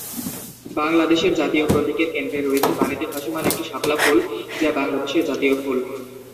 বাংলাদেশের জাতীয় প্রতীকের কেন্দ্রে রয়েছে পানিতে ভাসমান একটি শাপলা ফুল যা বাংলাদেশের জাতীয় ফুল।